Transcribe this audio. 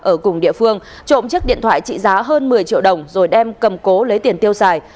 ở cùng địa phương trộm chiếc điện thoại trị giá hơn một mươi triệu đồng rồi đem cầm cố lấy tiền tiêu xài